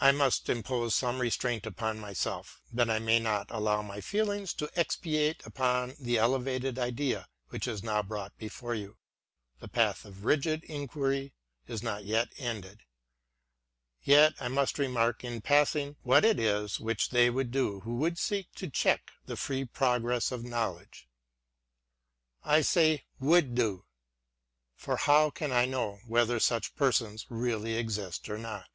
I must impose some restraint upon myself, that I may not allow my feelings to expatiate upon the elevated idea which is now brought before you; — the path of rigid inquiry is not yet ended. Yet I must remark, in passing, what it really is which they would do who should seek to check the free progress of Knowledge. I say would do; for how can I know whether such persons really exist or not?